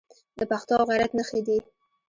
د پښتو او غیرت نښې دي.